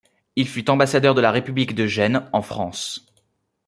Il fut ambassadeur de la République de Gênes en France.